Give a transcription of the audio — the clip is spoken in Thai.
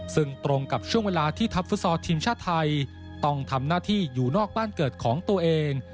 ซึ่งตรงกับช่วงเวลาที่ทัพฟุตซอลทีมชาติไทยต้องทำหน้าที่อยู่นอกบ้านเกิดของตัวเอง